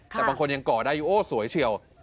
แต่บางคนยังก่อได้อยู่โอ้สวยเชียว